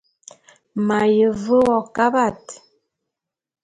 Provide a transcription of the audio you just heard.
M’aye ve wo kabat.